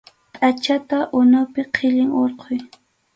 Pʼachata unupi qhillin hurquy.